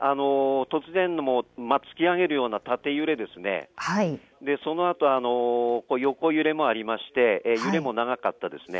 突き上げるような縦揺れがありそのあと横揺れもありまして揺れも長かったです。